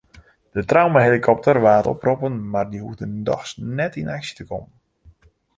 De traumahelikopter waard oproppen mar dy hoegde dochs net yn aksje te kommen.